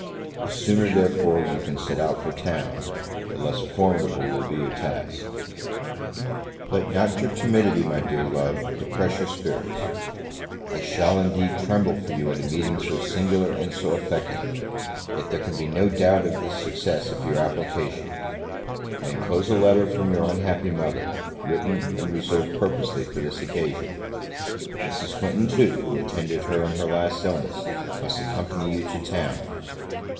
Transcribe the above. The sooner, therefore, you can set out for town, the less formidable will be your task. Let not your timidity, my dear love, depress your spirits: I shall, indeed, tremble for you at a meeting so singular and so affecting, yet there can be no doubt of the success of your application: I enclose a letter from your unhappy mother, written, and reserved purposely for this occasion: Mrs. Clinton too, who attended her in her last illness, must accompany you to town.